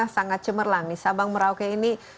sangat cemerlang nih sabang merauke ini